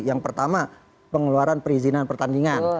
yang pertama pengeluaran perizinan pertandingan